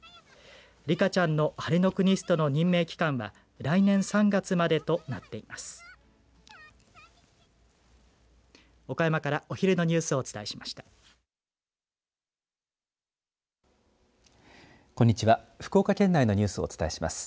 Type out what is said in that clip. リカちゃんのハレノクニストの任命期間は来年３月までとなっています。